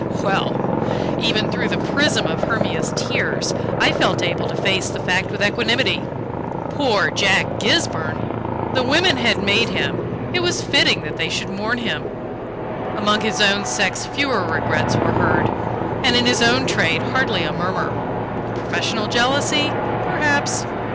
Well! even through the prism of Hermia's tears I felt able to face the fact with equanimity. Poor Jack Gisburn! The women had made him it was fitting that they should mourn him. Among his own sex fewer regrets were heard, and in his own trade hardly a murmur. Professional jealousy? Perhaps.